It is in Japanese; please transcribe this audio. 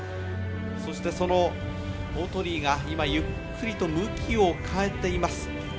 そしてその大鳥居が今、ゆっくりと向きを変えています。